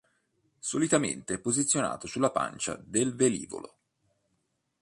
Solitamente è posizionato sulla pancia del velivolo.